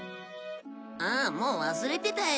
ああもう忘れてたよ。